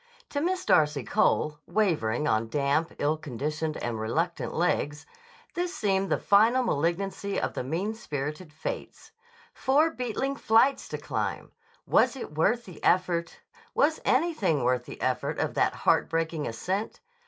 To Miss Darcy Cole, wavering on damp, ill conditioned, and reluctant legs, this seemed the final malignancy of the mean spirited fates. Four beetling flights to climb! Was it worth the effort? Was anything worth the effort of that heart breaking ascent?